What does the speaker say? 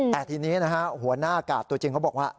แต่ทีนี้นะฮะหัวหน้ากาดตัวจริงเขาบอกว่า